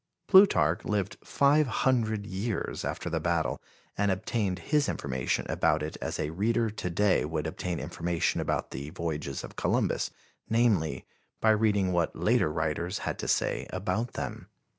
Plutarch lived five hundred years after the battle and obtained his information about it as a reader to day would obtain information about the voyages of Columbus, namely, by reading what later writers had to say about them.